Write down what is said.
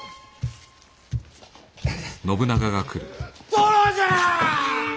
殿じゃ！